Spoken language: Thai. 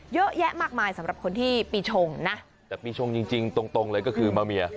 เยอะแยะมากมายสำหรับคนที่ปีชงนะแต่ปีชงจริงจริงตรงตรงเลยก็คือมาเมีย